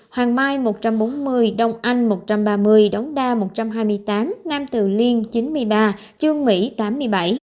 hoàng mai một trăm bốn mươi đông anh một trăm ba mươi đống đa một trăm hai mươi tám nam từ liêm chín mươi ba trương mỹ tám mươi bảy